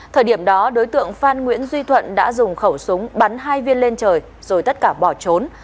thời điểm đó đối tượng phan nguyễn duy thuận đã dùng khẩu súng bắn hai viên lên trời rồi tất cả bỏ trốn